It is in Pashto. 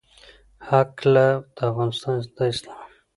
هکله، د افغانستان د اسلامي